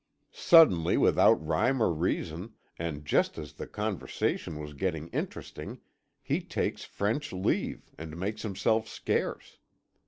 Suddenly, without rhyme or reason, and just as the conversation was getting interesting, he takes French leave, and makes himself scarce.